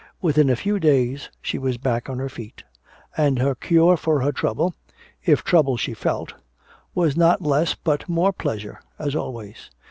Within a few days she was back on her feet; and her cure for her trouble, if trouble she felt, was not less but more pleasure, as always.